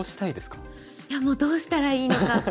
いやもうどうしたらいいのか。